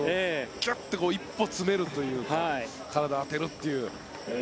ギュッと１歩詰めるというか体を当てるという。